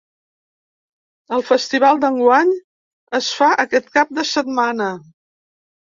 El festival d’enguany es fa aquest cap de setmana.